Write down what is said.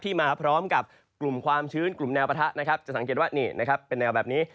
มาพร้อมกับกลุ่มความชื้นกลุ่มแนวปะทะนะครับจะสังเกตว่านี่นะครับเป็นแนวแบบนี้